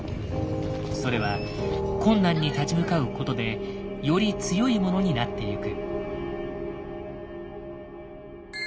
それは困難に立ち向かうことでより強いものになってゆく。